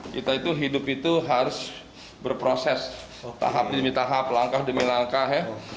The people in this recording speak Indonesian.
kita itu hidup itu harus berproses tahap demi tahap langkah demi langkah ya